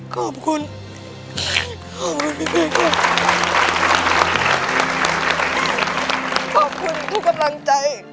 ขอบคุณขอบคุณขอบคุณทุกธับลังใจ